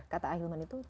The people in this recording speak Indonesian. kata ahilman itu